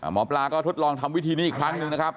หมอปลาก็ทดลองทำวิธีนี้อีกครั้งหนึ่งนะครับ